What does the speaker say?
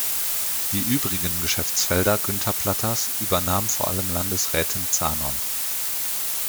Die übrigen Geschäftsfelder Günther Platters übernahm vor allem Landesrätin Zanon.